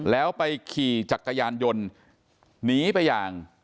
แล้วไปขี่จักรยานยนต์หนีไปอย่าง